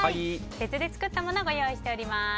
別で作ったものをご用意しています。